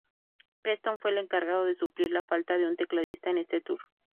Preston fue el encargado de suplir la falta de un tecladista en este tour.